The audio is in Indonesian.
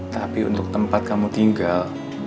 tapi untuk tempat kamu tinggal